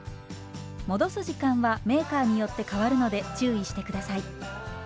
戻す時間はメーカーによって変わるので注意して下さい。